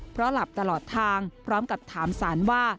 เพราะหลับตลอดทางพร้อมกับถามสารว่า